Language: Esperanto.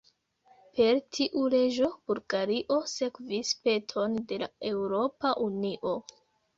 Per tiu leĝo Bulgario sekvis peton de la Eŭropa Unio.